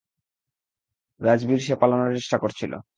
রাজবীর সে পালানোর চেষ্টা করছিল।